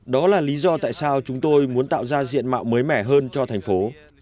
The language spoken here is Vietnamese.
đó là lý do tại sao chúng tôi muốn tạo ra diện mạo mới mẻ hơn cho thành phố